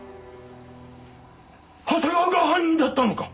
長谷川が犯人だったのか！？